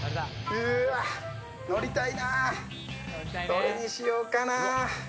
どれにしようかな。